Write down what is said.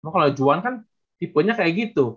kalo juhan kan tipenya kayak gitu